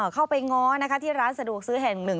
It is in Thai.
เข้าไปง้อที่ร้านสะดวกซื้อแห่งหนึ่ง